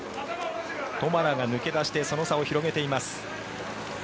トマラが抜け出してその差を広げています。